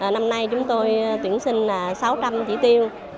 năm nay chúng tôi tuyển sinh là sáu trăm linh chỉ tiêu